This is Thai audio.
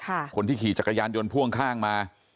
เพราะเราก็ไม่ขี่จักรยานยนต์พ่วงข้างมา